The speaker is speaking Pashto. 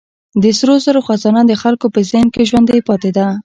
د سرو زرو خزانه د خلکو په ذهن کې ژوندۍ پاتې ده.